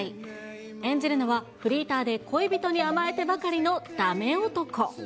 演じるのはフリーターで恋人に甘えてばかりのだめ男。